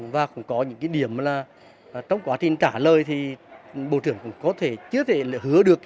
và cũng có những điểm là trong quá trình trả lời thì bộ trưởng cũng chưa thể hứa được